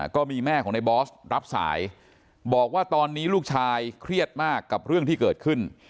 ก็มีแม่ของในบอสรับสายบอกว่าตอนนี้ลูกชายเครียดมากกับเรื่องที่เกิดขึ้น